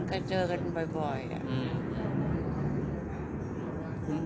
ก็เจอกันบ่อยอะ